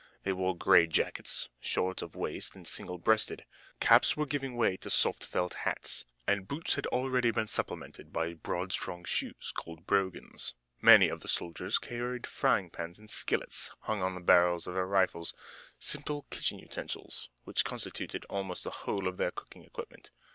They wore gray jackets, short of waist and single breasted. Caps were giving way to soft felt hats, and boots had already been supplanted by broad, strong shoes, called brogans. Many of the soldiers carried frying pans and skillets hung on the barrels of their rifles, simple kitchen utensils which constituted almost the whole of their cooking equipment.